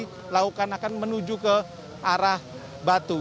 jadi lakukan akan menuju ke arah batu